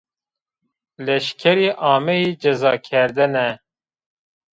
Leşkerî ameyî cezakerdene